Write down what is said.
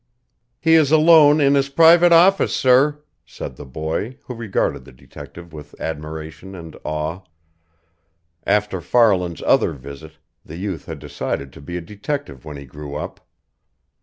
"He is alone in his private office, sir," said the boy, who regarded the detective with admiration and awe. After Farland's other visit, the youth had decided to be a detective when he grew up.